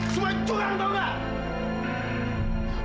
semuanya curang tau gak